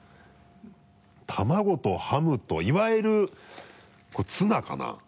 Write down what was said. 卵とハムといわゆるこれツナかな？